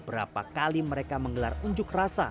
berapa kali mereka menggelar unjuk rasa